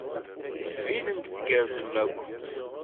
Tettbinem-d tgerrzem akk.